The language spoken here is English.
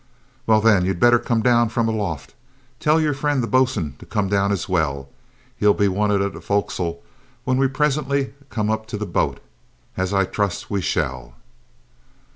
"Well, then, you'd better come down from aloft. Tell your friend, the boatswain, to come down as well. He'll be wanted at the fo'c's'le when we presently come up to the boat, as I trust we shall!"